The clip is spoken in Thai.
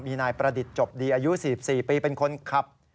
มีนายประดิษฐ์จบดีอายุ๔๔ปีเป็นคนขับ